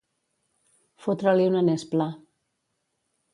Fotre-li una nespla.